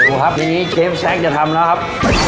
ดูครับชีฟแซคจะทำแล้วครับ